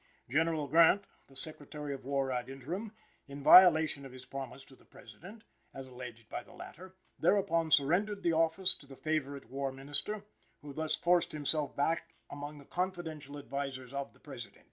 General Grant, the Secretary of War ad interim, in violation of his promise to the President, as alleged by the latter, thereupon surrendered the office to the favorite War Minister, who thus forced himself back among the confidential advisers of the President.